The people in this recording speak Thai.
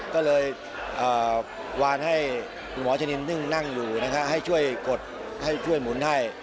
ก็เลยวานให้คุณหมอชนินซึ่งนั่งอยู่ให้ช่วยกดให้ช่วยหมุนให้